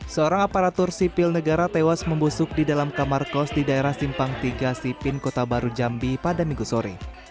seorang aparatur sipil negara tewas membusuk di dalam kamar kos di daerah simpang tiga sipin kota baru jambi pada minggu sore